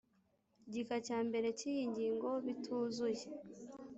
Gika cya mbere cy iyi ngingo bituzuye